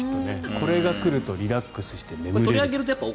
これが来るとリラックスして寝れるという。